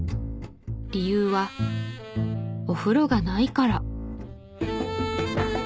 理由はお風呂がないから。